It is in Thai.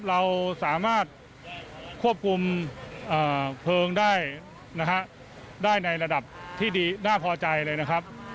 เราสามารถควบคุมเพลิงได้นะฮะได้ในระดับที่ดีน่าพอใจเลยนะครับ